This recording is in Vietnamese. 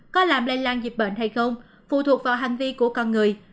có làm lây lan dịch bệnh hay không phụ thuộc vào hành vi của con người